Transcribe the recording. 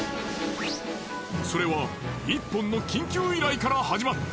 それは１本の緊急依頼から始まった。